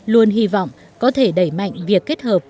luôn hy vọng có thể đẩy mạnh việc kết hợp